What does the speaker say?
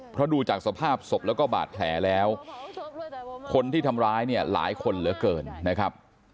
เพราะดูจากสภาพศพแล้วก็บาดแผลแล้วคนที่ทำร้ายเนี่ยหลายคนเหลือเกินนะครับ